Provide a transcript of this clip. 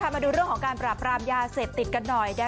มาดูเรื่องของการปราบรามยาเสพติดกันหน่อย